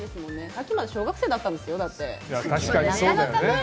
さっきまで小学生だったんですよ。